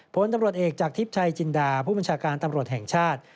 ผลตำรวจเอกจากทิพย์ชัยจินดาผู้บัญชาการตำรวจแห่งชาติ